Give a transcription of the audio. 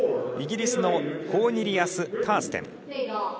イギリスのコーニリアス・カーステン。